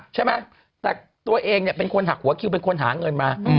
ใช่ไหมแต่ตัวเองเนี่ยเป็นคนหักหัวคิวเป็นคนหาเงินมา